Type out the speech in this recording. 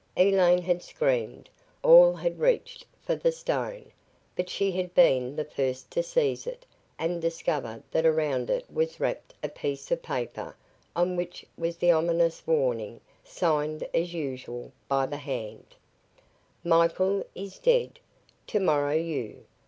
Elaine had screamed. All had reached for the stone. But she had been the first to seize it and discover that around it was wrapped a piece of paper on which was the ominous warning, signed as usual by the Hand: "Michael is dead. Tomorrow, you.